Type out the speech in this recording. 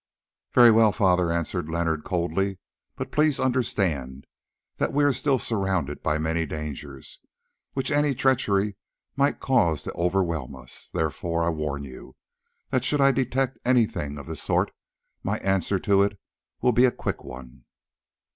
"Very well, Father," answered Leonard coldly, "but please understand that we are still surrounded by many dangers, which any treachery might cause to overwhelm us. Therefore I warn you that should I detect anything of the sort my answer to it will be a quick one."